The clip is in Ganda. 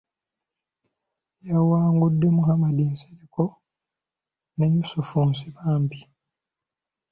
Yawangudde Muhammad Nsereko ne Yusufu Nsibambi.